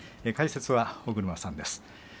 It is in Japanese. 解説は尾車さんです。